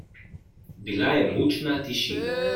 Bila je mučna tišina.